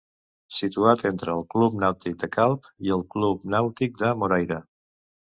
Situat entre el Club Nàutic de Calp i el Club Nàutic de Moraira.